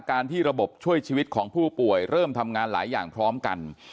ที่ระบบช่วยชีวิตของผู้ป่วยเริ่มทำงานหลายอย่างพร้อมกัน